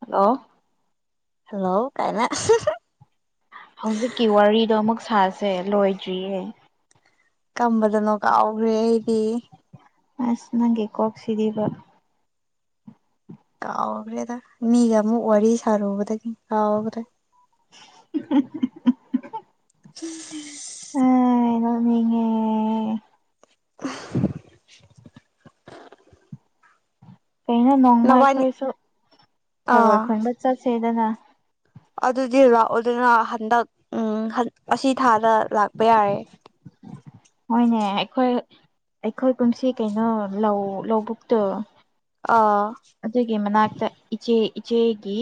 ꯍꯜ ꯂꯣ ꯍꯜꯂꯣ ꯀꯥꯏꯅ ꯍꯧꯖꯤꯛꯀꯤ ꯋꯥꯔꯤꯗꯣ ꯑꯃꯨꯛ ꯁꯥꯁꯦ ꯂꯣꯏꯗ꯭ꯔꯤꯌꯦ ꯀꯝꯕꯗꯅꯣ ꯀꯥꯎꯈ꯭ꯔꯦ ꯑꯩꯗꯤ ꯑꯁ ꯅꯪꯒꯤ ꯀꯣꯛꯁꯤꯗꯕ ꯀꯥꯎꯒꯔꯦꯗ ꯃꯤꯒ ꯃꯨ ꯋꯥꯔꯤ ꯁꯔꯨꯕꯗꯒꯤ ꯀꯥꯎꯒꯔꯦ [unintelligible] ꯑꯩ ꯅꯣꯛꯅꯤꯡꯉꯦ [unintelligible] ꯀꯩꯅꯣ ꯗꯧꯅ ꯅꯕꯥꯅꯤ ꯑꯩꯈꯣꯏꯁꯨ ꯊꯔꯣꯏ ꯑꯥ ꯈꯨꯟꯕ ꯆꯠꯁꯦꯗꯅ ꯑꯗꯨꯗꯤ ꯔꯥꯛ ꯑꯣꯗꯅ ꯍꯟꯗꯛ ꯎꯝ ꯎꯝ ꯑꯁꯤ ꯊꯥꯗ ꯂꯥꯛꯄ ꯌꯥꯔꯦ ꯍꯣꯏꯅꯦ ꯑꯩꯈꯣꯏ ꯑꯩꯈꯣꯏ ꯄꯨꯨꯝꯁꯤ ꯀꯩꯅꯣ ꯂꯧ ꯂꯧꯕꯨꯛꯇꯨ ꯑꯥ ꯑꯗꯨꯒꯤ ꯃꯅꯥꯛꯇ ꯏꯆꯦ ꯏꯆꯦꯒꯤ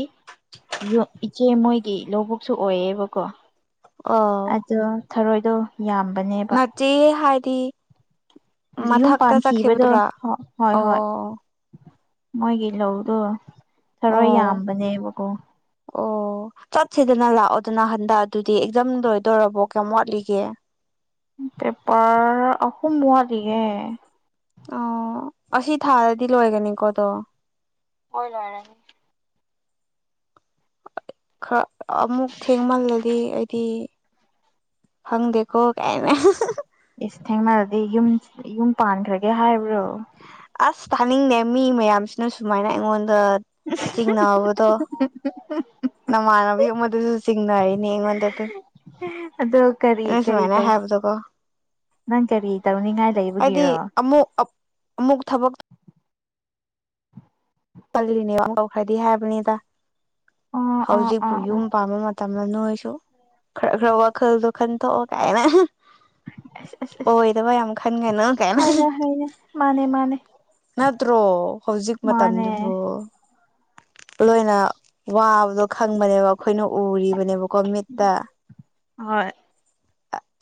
ꯏꯆꯦ ꯃꯣꯏꯒꯤ ꯂꯧꯕꯨꯛꯁꯨ ꯑꯣꯏꯌꯦꯕꯀꯣ ꯑ ꯑꯗꯣ ꯊꯔꯣꯏꯗꯣ ꯌꯥꯝꯕꯅꯦꯕ ꯇꯤ ꯌꯨꯝ ꯄꯥꯟꯈꯤꯕꯗꯣ ꯍꯣꯏ ꯍꯣꯏ ꯑꯣ ꯃꯣꯏꯒꯤ ꯂꯧꯗꯣ ꯊꯔꯣꯏ ꯑꯣ ꯌꯥꯝꯕꯅꯦꯕꯀꯣ ꯑꯣ ꯆꯠꯁꯤꯗꯅ ꯂꯥꯛꯑꯣꯗꯅ ꯍꯟꯗꯛ ꯑꯗꯨꯗꯤ ꯑꯦꯛꯖꯝ ꯂꯣꯏꯗꯣꯏꯔꯕꯣ ꯀꯌꯥꯝ ꯋꯥꯠꯂꯤꯒꯦ ꯄꯦꯄ꯭ꯔ ꯑꯍꯨꯝ ꯋꯥꯠꯂꯤꯌꯦ ꯑꯣ ꯑꯁꯤ ꯊꯥꯗꯗꯤ ꯂꯣꯏꯒꯅꯤꯀꯣ ꯑꯗꯣ ꯍꯣꯏ ꯂꯣꯏꯔꯅꯤ ꯈꯔ ꯑꯃꯨꯛ ꯊꯦꯡꯃꯜꯂꯗꯤ ꯍꯥꯏꯗꯤ ꯐꯪꯗꯦꯀꯣ ꯀꯥꯏꯅ ꯑꯦꯁ ꯊꯦꯡꯅꯗꯤ ꯌꯨꯝ ꯌꯨꯝ ꯄꯥꯟꯈ꯭ꯔꯒꯦ ꯍꯥꯏꯕ꯭ꯔꯣ ꯑꯁ ꯊꯥꯅꯤꯡꯗꯦ ꯃꯤ ꯃꯌꯥꯝꯁꯤꯅ ꯁꯨꯃꯥꯏꯅ ꯑꯩꯉꯣꯟꯗ ꯆꯤꯡꯅꯕꯗꯣ ꯅꯃꯥꯟꯅꯕꯤ ꯑꯥꯃꯗꯨꯁꯨ ꯁꯤꯡꯅꯩꯅꯤ ꯑꯩ ꯉꯣꯟꯗꯥ ꯑꯗꯣ ꯀꯔꯤ ꯀꯔꯤ ꯇꯧ ꯅꯪ ꯀꯔꯤ ꯇꯧꯅꯤꯡꯉꯥꯏ ꯍꯥꯏꯗꯤ ꯂꯩꯕꯒꯤꯔꯣ ꯑꯃꯨꯛ ꯑꯃꯨꯛ ꯊꯕꯛ ꯈꯜꯂꯤꯅꯦꯕ ꯇꯧꯈ꯭ꯔꯗꯤ ꯍꯥꯏꯕꯅꯤꯗ ꯑꯣ ꯑꯣ ꯍꯧꯖꯤꯛꯄꯤ ꯑꯣ ꯑꯣ ꯌꯨꯝ ꯄꯥꯟꯕ ꯃꯇꯝ ꯃꯇꯝꯂ ꯅꯣꯏꯁꯨ ꯈꯔ ꯈꯔ ꯋꯥꯈꯜꯗꯣ ꯈꯟꯗꯣꯛꯑꯣ ꯀꯥꯏꯅ ꯑꯁ ꯑꯁ ꯑꯁ ꯑꯣꯏꯗꯕ ꯌꯥꯝ ꯈꯟꯒꯅꯤ ꯀꯥꯏꯅ꯫ ꯍꯣꯏꯅꯦ ꯍꯣꯏꯅꯦ ꯃꯥꯅꯦ ꯃꯥꯅꯦ ꯅꯠꯇ꯭ꯔꯣ ꯍꯧꯖꯤꯛ ꯃꯥꯅꯦ ꯃꯇꯝꯗꯨꯕꯨ ꯑꯣ ꯂꯣꯏꯅ ꯋꯥꯕꯗꯣ ꯈꯪꯕꯅꯦꯕ ꯑꯩꯈꯣꯏꯅ ꯎꯔꯤꯕꯅꯦꯕꯀꯣ ꯃꯤꯠꯇ ꯍꯣꯏ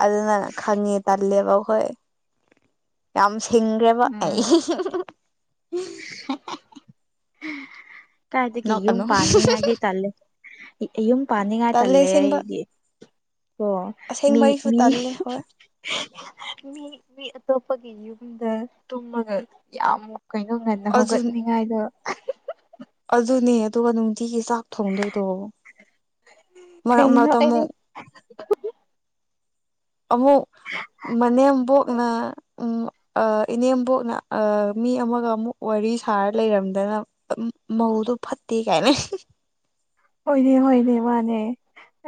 ꯑꯗꯨꯅ ꯈꯥꯉꯦ ꯇꯜꯂꯦꯕ ꯍꯣꯏ꯫ ꯌꯥꯝ ꯊꯤꯡꯒ꯭ꯔꯦꯕ ꯎꯝ ꯑꯩ ꯀꯥꯏꯗꯒꯤ ꯌꯨꯝ ꯅꯣꯛꯀꯅꯨ ꯄꯥꯟꯅꯤꯡꯉꯥꯏꯗꯤ ꯇꯜꯂꯦ ꯌꯨꯝ ꯄꯥꯅꯤꯡꯉꯥꯏ ꯇꯜꯂꯦ ꯑꯩꯗꯤ ꯑꯣ ꯑꯁꯦꯡꯕ ꯃꯤ ꯑꯩꯁꯨ ꯃꯤ ꯇꯜꯂꯦ ꯍꯣꯏ ꯃꯤ ꯑꯇꯣꯞꯄꯒꯤ ꯌꯨꯝꯗ ꯇꯨꯝꯑꯒ ꯌꯥꯝ ꯀꯩꯅꯣ ꯉꯟꯅ ꯍꯧꯒꯠꯅꯤꯡꯉꯥꯏꯗꯣ꯫ ꯑꯗꯨꯅꯤ ꯑꯗꯨꯒ ꯅꯨꯡꯇꯤꯒꯤ ꯆꯥꯛ ꯊꯣꯡꯗꯣꯏꯗꯣ ꯃꯔꯛ ꯀꯩꯅꯣ ꯃꯔꯛꯇ ꯑꯩꯗꯤ ꯑꯃꯨꯛ [unintelligible] ꯑꯃꯨꯛ ꯃꯅꯦꯝꯕꫭꯛꯅ ꯎꯝ ꯑ ꯏꯅꯦꯝꯕꯣꯛꯅ ꯑ ꯃꯤ ꯑꯃꯒ ꯑꯃꯨꯛ ꯋꯥꯔꯤ ꯁꯥꯔ ꯂꯩꯔꯝꯗꯅ ꯃꯧꯗꯨ ꯐꯠ ꯇꯦ ꯀꯥꯏꯅ ꯍꫭꯏꯅꯦ-ꯍꫭꯏꯅꯦ ꯃꯥꯅꯦ꯫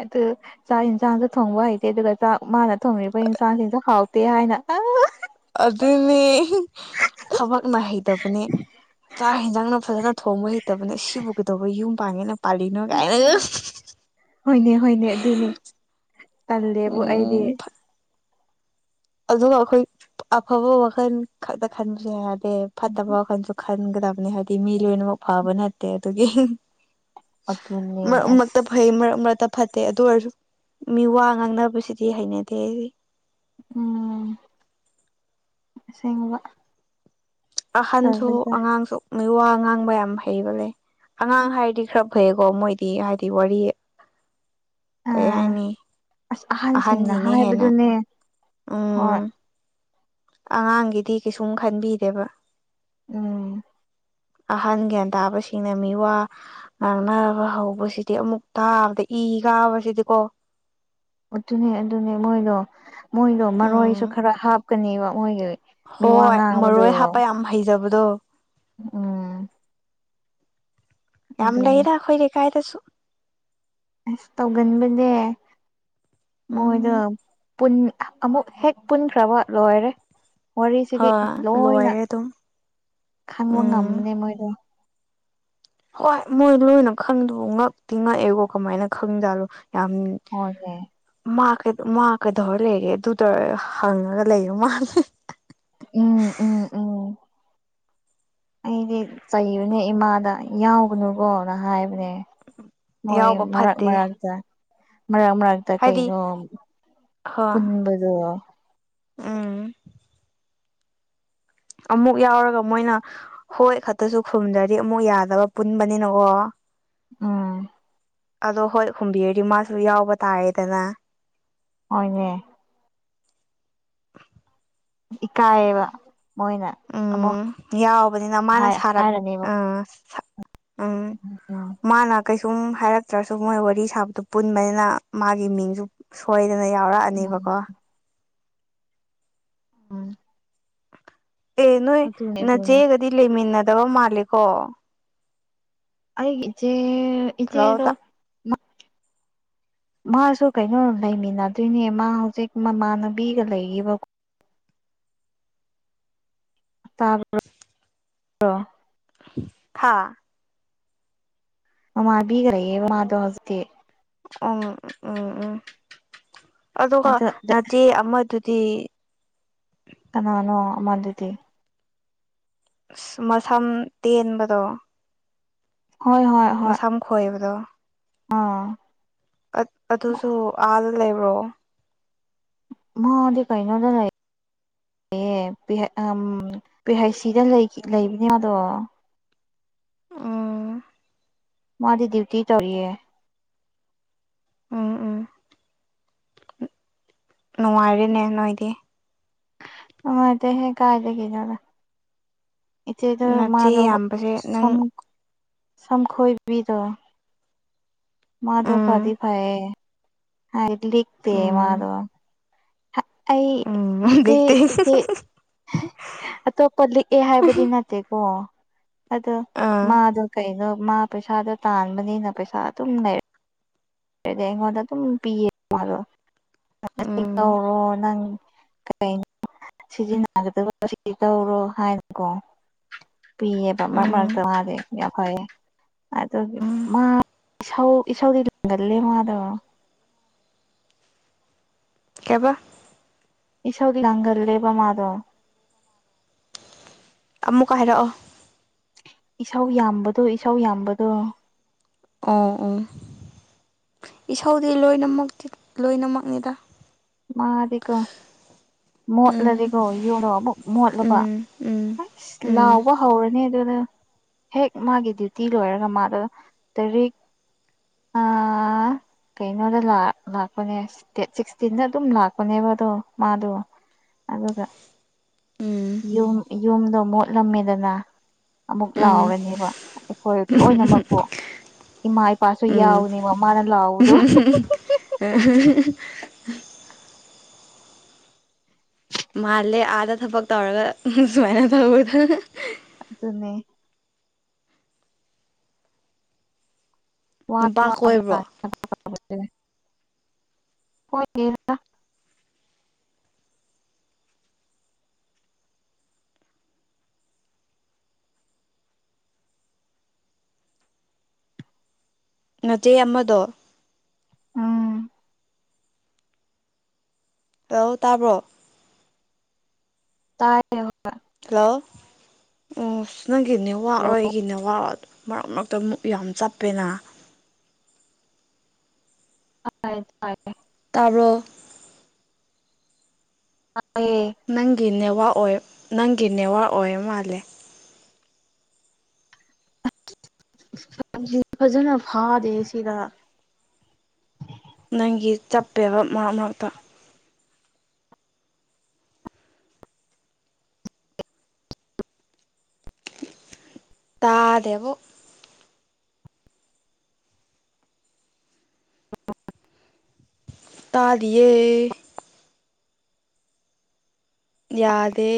ꯑꯗꯨ ꯆꯥꯛ ꯍꯤꯟꯁꯥꯡꯁꯨ ꯊꯣꯡꯕ ꯍꯩꯇꯦ ꯑꯗꯨꯒ ꯆꯥꯛ ꯃꯥꯅ ꯊꯣꯡꯔꯤꯕ ꯏꯟꯁꯥꯡꯁꯤꯡꯁꯨ ꯍꯥꯎꯇꯦ ꯍꯥꯏꯅ ꯑꯗꯨꯅꯦ ꯊꯕꯛ ꯅꯥꯍꯩꯗꯕꯅꯦ꯫ ꯆꯥꯛ ꯌꯦꯟꯖꯥꯡꯅ ꯐꯖꯅ ꯊꯣꯡꯕ ꯍꯩꯇꯕꯅꯦ ꯁꯤꯕꯨ ꯀꯩꯗꯧꯕ ꯌꯨꯝ ꯄꯥꯟꯒꯦꯅ ꯄꯥꯜꯂꯤꯅꯣ ꯀꯥꯏꯅ ꯍꯣꯏꯅꯦ-ꯍꯣꯏꯅꯦ ꯑꯗꯨꯅꯤ꯫ ꯇꯜꯂꯦꯕꯨ ꯑꯩꯗꯤ꯫ ꯎꯝ ꯑꯗꯨꯒ ꯑꯩꯈꯣꯏ ꯑꯐꯕ ꯋꯥꯈꯜ ꯈꯛꯇ ꯈꯟꯕꯁꯨ ꯌꯥꯗꯦ ꯐꯠꯇꯕ ꯋꯥꯈꯞꯁꯨ ꯈ ꯈꯟꯒꯗꯕꯅꯤ ꯍꯥꯏꯗꯤ ꯃꯤ ꯂꯣꯏꯅꯃꯛ ꯐꯕ ꯅꯠꯇꯦ ꯑꯗꯨꯒꯤ꯫ ꯑꯗꯨꯅꯦ ꯃ ꯑꯁ ꯃꯠꯇ ꯐꯩ ꯃꯔꯛ ꯃꯔꯛꯇ ꯐꯠꯇꯦ ꯑꯗꯨ ꯑꯣꯏꯔꯁꯨ ꯃꯤ ꯋꯥ ꯉꯥꯡꯅꯕꯁꯤꯗꯤ ꯍꯩꯅꯗꯦ ꯑꯩꯗꯤ꯫ ꯎꯝ꯫ ꯑꯁꯦꯡꯕ꯫ ꯑꯍꯟꯁꯨ ꯇꯜꯂꯤꯗ ꯑꯉꯥꯡꯁꯨ ꯃꯤ ꯋꯥ ꯉꯥꯡꯕ ꯌꯥꯝ ꯍꯩꯕ ꯂꯩ ꯑꯉꯥꯡ ꯍꯥꯏꯔꯗꯤ ꯈꯔ ꯐꯩꯌꯦꯀꯣ ꯃꯣꯏꯗꯤ ꯍꯥꯏꯗꯤ ꯋꯥꯔꯤ ꯑ ꯀꯩ ꯍꯥꯏꯅꯤ ꯑꯁ ꯑꯍꯟꯁꯤꯡꯅ ꯍꯥꯏꯕꯗꯨꯅꯦ꯫ ꯎꯝ ꯍꯣꯏ꯫ ꯑꯉꯥꯡꯒꯤꯗꯤ ꯀꯩꯁꯨꯝ ꯈꯟꯕꯤꯗꯦꯕ꯫ ꯎꯝ꯫ ꯑꯍꯟ ꯒ꯭ꯌꯥꯟ ꯇꯥꯕꯁꯤꯡꯅ ꯃꯤ ꯋꯥ ꯉꯥꯡꯅꯕ ꯍꯧꯕꯁꯤꯗꯤ ꯑꯃꯨꯛ ꯇꯥꯕꯗ ꯏ ꯀꯥꯕꯁꯤꯗꯤꯀꯣ꯫ ꯑꯗꯨꯅꯦ-ꯑꯗꯨꯅꯦ ꯃꯣꯏꯗꯣ ꯃꯣꯏꯗꯣ ꯃꯔꯣꯏꯁꯨ ꯎꯝ ꯈꯔ ꯍꯥꯞꯀꯅꯦꯕ ꯃꯣꯏꯒꯤ ꯃꯤ ꯋꯥ ꯍꯣꯏ ꯉꯥꯡꯕꯗꯣ ꯃꯔꯣꯏ ꯍꯥꯞꯄ ꯌꯥꯝ ꯍꯩꯖꯕꯗꯣ꯫ ꯎꯝ꯫ ꯌꯥꯝ ꯑꯗꯨꯅꯦ ꯂꯩꯗ ꯑꯈꯣꯏ ꯂꯩꯀꯥꯏꯗꯁꯨ꯫ ꯑꯁ ꯇꯧꯒꯟꯕꯅꯦ꯫ ꯎꯝ ꯃꯣꯏꯗꫭ ꯄꯨꯟ ꯑꯃꯨꯛ ꯍꯦꯛ ꯄꯨꯟꯈ꯭ꯔꯕ ꯂꯣꯏꯔꯦ꯫ ꯋꯥꯔꯤꯁꯤꯗꯤ ꯍꯣꯏ ꯂꯣꯏꯅ ꯂꯣꯏꯔꯦ ꯑꯗꯨꯝ ꯈꯪꯕ ꯎꯝ ꯉꯝꯕꯅꯤ ꯃꯣꯏꯗꯣ꯫ ꯍꯣꯏ ꯃꯣꯏ ꯂꯣꯏꯅ ꯈꯪꯗꯕ ꯉꯛꯇꯤ ꯉꯛꯑꯦꯀꯣ ꯀꯃꯥꯏꯅ ꯈꯪꯖꯥꯠꯂꯣ꯫ ꯌꯥꯝ ꯍꯣꯏꯅꯦ ꯃꯥꯛ ꯀꯩ ꯃꯥ ꯀꯩꯗꯧꯔ ꯂꯩꯒꯦ ꯑꯗꯨꯗ ꯍꯪꯑꯒ ꯂꯩꯕ ꯃꯥꯜꯂꯦ꯫ ꯎꯝ ꯎꯝ ꯎꯝ꯫ ꯑꯩꯗꯤ ꯆꯩꯕꯅꯦ ꯏꯃꯥꯗ ꯌꯥꯎꯒꯅꯨꯀꯣꯅ ꯍꯥꯏꯕꯅꯦ꯫ ꯍꯣꯏ ꯌꯥꯎꯕ ꯃꯔꯛ ꯐꯠꯇꯦ ꯃꯔꯛꯇ꯫ ꯃꯔꯛ ꯃꯔꯛꯇ ꯍꯥꯏꯗꯤ ꯀꯩꯅꯣ ꯄꯨꯟꯕꯗꯣ꯫ ꯑꯥ꯫ ꯑꯃꯨꯛ ꯌꯥꯎꯔꯒ ꯃꯣꯏꯅ ꯍꯣꯏ ꯈꯛꯇꯁꯨ ꯈꯨꯝꯗ꯭ꯔꯗꯤ ꯑꯃꯨꯛ ꯌꯥꯗꯕ ꯄꯨꯟꯕꯅꯤꯅꯀꯣ꯫ ꯎꯝ꯫ ꯑꯗꯣ ꯍꯣꯏ ꯍꯨꯝꯕꯤꯔꯗꯤ ꯃꯥꯁꯨ ꯌꯥꯎꯕ ꯇꯥꯔꯦꯗꯅ꯫ ꯍꯣꯏꯅꯦ꯫ ꯏꯀꯥꯏꯌꯦꯕ꯫ ꯃꯣꯏꯅ ꯑꯃꯨꯛ ꯎꯝ ꯌꯥꯎꯕꯅꯤꯅ ꯃꯥꯅ ꯍꯥꯏ ꯁꯥꯔꯛ ꯍꯥꯏꯔꯅꯦꯕ꯫ ꯑ ꯎ ꯁꯨꯝ ꯍꯥꯏꯔꯛꯇ꯭ꯔꯁꯨ ꯃꯣꯏ ꯋꯥꯔꯤ ꯁꯥꯕꯗꯨ ꯄꯨꯟꯕꯅꯤꯅ ꯃꯥꯒꯤ ꯃꯤꯡꯁꯨ ꯁꯣꯏ ꯅ ꯎꯝ ꯌꯥꯎꯔꯛꯑꯅꯦꯕꯀꯣ ꯎꯝ ꯑꯦ ꯅꯣꯏ ꯑꯗꯨꯅꯦ ꯅ ꯑꯗꯨꯅꯦ ꯆꯦꯒꯗꯤ ꯂꯩꯃꯤꯟꯅꯗꯕ ꯃꯥꯂꯦꯀꯣ ꯑꯩ ꯏꯖꯦ ꯏꯖꯦ ꯑꯗꯨꯣ ꯇꯣꯜꯍꯧꯗ ꯃꯥꯁꯨ ꯀꯩꯅꯣ ꯂꯩꯃꯤꯟꯅꯗꯣꯏꯅꯦ ꯃꯥ ꯍꯧꯖꯤꯛ ꯃꯃꯥꯟꯅꯕꯤꯒ ꯂꯩꯔꯤꯕꯀꯣ ꯇꯥ [inaudible] ꯍꯥꯥ ꯃꯃꯥꯕꯤꯒ꯭ꯔꯌꯦꯦꯕ ꯃꯥꯗꯣ ꯍꯧꯁꯦ ꯎꯝ ꯎꯝ ꯎꯝ ꯎꯝ ꯑꯗꯨꯒ ꯑꯗ ꯅꯆꯦ ꯑꯃꯗꯨ ꯇ ꯀꯅꯥꯅꯣ ꯑꯃꯗꯨꯗꯤ ꯃꯁꯝ ꯇꯦꯟꯕꯗꯣ ꯍꯣꯏ ꯍꯣꯏ ꯍꯣꯏ ꯃꯁꯝ ꯈꯣꯏꯕꯗꯣ ꯑꯥ ꯑꯗꯨꯁꯨ ꯑ ꯂꯩꯕ꯭ꯔꯣ ꯃ ꯑꯗꯤꯅꯗ ꯑꯦ ꯄꯤ ꯍꯥꯏꯩ ꯁꯤꯗ ꯂꯩꯕꯅꯦꯗꯣ ꯑ ꯃꯥꯗꯤ ꯗ꯭ꯌꯨꯇꯤ ꯇꯧꯔꯤꯌꯦ ꯎꯝ ꯎꯝ ꯅꯉꯔꯦꯅꯦ ꯅꯣꯏꯗꯤ ꯃꯥꯥꯏ ꯇ ꯍꯦ ꯀꯥꯏꯗꯒꯅꯔ ꯏꯆꯣꯏꯗ ꯅꯆꯦ ꯃꯥꯗ ꯌꯥꯝꯕꯁꯦ ꯅꯪ ꯁꯝꯈꯣꯏꯕꯤꯗꯣ ꯃꯥꯗꯨ ꯐꯗꯤ ꯎꯝ ꯐꯑꯌꯦ ꯏꯂꯤ ꯎꯝ ꯃꯥꯔ ꯑꯩ ꯎꯝ ꯏꯆꯦ ꯏꯆꯦ ꯑꯇꯣꯞꯄ ꯂꯤꯛꯑꯦ ꯍꯥꯏꯕꯗꯤ ꯅꯠꯇꯦꯀꯣ ꯑꯗꯣ ꯑꯥ ꯃꯥꯗꯣ ꯀꯩꯅꯣ ꯃꯥ ꯄꯩꯁꯥꯗꯣ ꯇꯥꯟꯕꯅꯤꯅ ꯄꯩꯁꯥ ꯑꯗꯨꯝ ꯂꯩꯔ ꯑꯗꯨꯗꯤ ꯑꯩꯉꯣꯟꯗ ꯑꯗꯨꯝ ꯄꯤꯌꯦ ꯃꯥꯗꯣ ꯎꯝ ꯀꯧꯔꯣ ꯅꯪ ꯀꯩꯅꯣ ꯁꯤꯖꯤꯟꯅꯒꯗꯕ ꯇꯧꯔꯣ ꯍꯥꯏꯅꯀꯣ ꯄꯤꯌꯦꯕ ꯃꯔꯛ ꯎꯝ ꯃꯔꯛꯇ ꯃꯥꯁꯦ ꯌꯥꯝ ꯐꯌꯦꯦ ꯑꯗꯨ ꯎꯝ ꯃꯥ ꯏꯁꯧꯗꯤ ꯂꯪꯒꯜꯂꯦ ꯃꯥꯗꯣ [inaudible] ꯇꯕ ꯏꯁꯣꯔꯒꯤ ꯂꯥꯡꯒꯜ ꯂꯩꯦꯕ ꯃꯥꯥꯗꯣ ꯑꯃꯨꯛꯀꯥꯏ ꯍꯥꯏꯔꯛꯑꯣ ꯏꯁꯧ ꯌꯥꯝꯕꯗꯣ ꯏꯁꯥꯎ ꯌꯥꯝꯕꯗꯣ ꯑꯣ ꯑꯣ ꯏꯁꯧꯗꯤ ꯂꯣꯏꯅ ꯂꯣꯏꯅꯃꯛꯅꯤꯗ ꯃꯥꯗꯤꯀꯣ ꯎꯝ ꯃꯣꯠꯂꯗꯤꯀꯣ ꯌꯨꯅꯣ ꯑꯃꯨꯛ ꯃꯣꯠꯂꯨꯕ ꯎꯝ ꯎꯝ ꯑꯁ ꯎꯝ ꯂꯥꯎꯕ ꯍꯧꯔꯅꯤ ꯑꯗꯨꯅ ꯍꯦꯛ ꯃꯥꯒꯤ ꯗ꯭ꯌꯨꯇꯤ ꯂꯣꯏꯔꯒ ꯃꯥꯗ ꯇꯔꯤꯦꯛ ꯑꯥ ꯀꯩꯅꯣꯗ ꯂꯥꯛꯄꯅꯦ ꯗ ꯁꯤꯛꯁꯇꯤꯟꯗ ꯑꯗꯨꯝ ꯂꯥꯛꯄꯅꯦꯕ ꯑꯗꯣ ꯃꯥꯗꯣ ꯑꯗꯨꯒ ꯎꯝ ꯌꯨꯝ ꯌꯨꯝꯗꯣ ꯃꯣꯠꯂꯝꯃꯤꯗꯅ ꯑꯃꯨꯛ ꯎꯝ ꯂꯥꯎꯔꯅꯦꯕ ꯑꯩꯈꯣꯏ ꯂꯣꯏꯅꯃꯛꯄꯨ ꯏꯃꯥ ꯏꯄꯥꯁꯨ ꯌꯥꯎꯅꯦꯕ ꯃꯥꯅ ꯂꯥꯎꯕꯗꯣ ꯝ ꯃꯥꯜꯂꯦ ꯑꯥꯗ ꯊꯕꯛ ꯇꯧꯔꯒ ꯁꯨꯃꯥꯏꯅ ꯇꯧꯕꯗ ꯑꯗꯨ ꯑꯗꯨꯅꯦ ꯋꯥ ꯅꯨꯄꯥ ꯀꯣꯏꯕ꯭ꯔꯣ [inaudible] ꯍꯣꯏ [inaudible] ꯅꯆꯦ ꯑꯃꯗꯣ ꯎꯝ ꯇꯧ ꯇꯥꯕ꯭ꯔꯣ ꯇꯥꯏ [inaudible] ꯍꯜꯂꯣ ꯎꯁ ꯅꯪꯒꯤ ꯅꯦꯋꯥꯛ ꯔꯥ ꯑꯩꯒꯤ ꯅꯦꯋꯥꯛ ꯑꯥ ꯃꯔꯛ ꯃꯔꯛ ꯑꯃꯨꯛ ꯌꯥꯝ ꯆꯞꯄꯦꯅ [inaudible] ꯇꯥꯕ꯭ꯔꯣ ꯋꯥꯛ ꯑꯣꯏ ꯅꯪꯒꯤ ꯅꯦꯋꯥꯛ ꯑꯣꯏꯔ ꯃꯥꯜꯂꯦ ꯐꯖꯅ ꯐꯥꯗꯦ ꯁꯤꯗ ꯅꯪꯒꯤ ꯆꯞꯄꯦꯕ ꯃꯔꯛ ꯃꯔꯛꯇ ꯇꯥꯗꯦꯕꯨ [inaudible] ꯇꯥꯗꯤꯌꯦ ꯌꯥꯗꯦ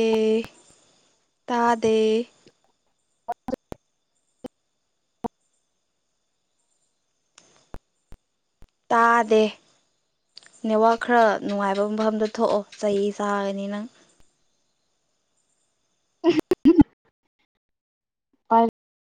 ꯇꯥꯗꯦ ꯇꯥꯗꯦ ꯅꯦꯠꯋꯥꯛ ꯈꯔ ꯅꯨꯡꯉꯥꯏꯕ ꯃꯐꯝꯗ ꯊꯣꯛꯑꯣ ꯆꯩ ꯆꯥꯒꯅꯤ ꯅꯪ [inaudible]